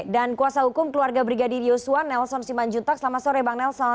dan kuasa hukum keluarga brigadir yusua nelson simanjuntak selamat sore bang nelson